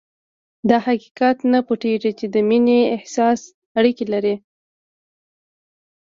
دا حقيقت نه پټېږي چې د مينې احساس اړيکې لري.